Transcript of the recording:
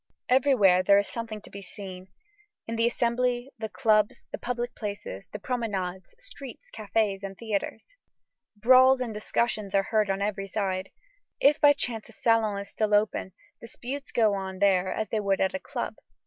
Everywhere there is something to be seen; in the Assembly, the clubs, the public places, the promenades, streets, cafés, and theatres. Brawls and discussions are heard on every side. If by chance a salon is still open, disputes go on there as they would at a club.